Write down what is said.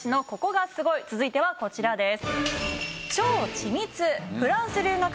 続いてはこちらです。